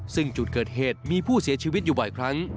ซึ่งจุดเกิดเหตุมีผู้เสียชีวิตอยู่บ่อยครั้ง